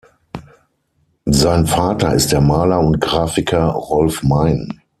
Sein Vater ist der Maler und Grafiker Rolf Meyn.